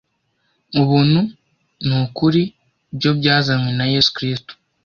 ubuntu n ukuri byo byazanywe na Yesu Kristo